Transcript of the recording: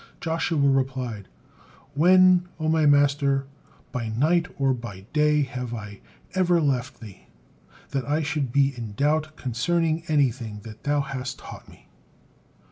Joshua replied, "When, O my master, by night or by day, have I ever left thee, that I should be in doubt concerning anything that thou hast taught me?"